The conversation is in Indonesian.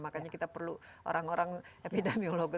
makanya kita perlu orang orang epidemiologi